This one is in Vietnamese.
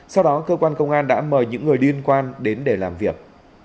sau đó cơ quan công an đã mời những người liên quan đến để làm việc